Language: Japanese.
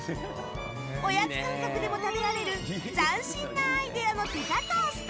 おやつ感覚でも食べられる斬新なアイデアのピザトースト。